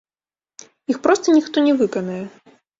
Іх проста ніхто не выканае.